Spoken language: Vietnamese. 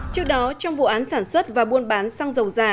trước đó trong vụ án sản xuất và buôn bán sang giầu giả